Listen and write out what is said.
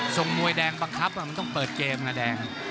มวยแดงบังคับมันต้องเปิดเกมไงแดง